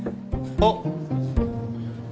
あっ。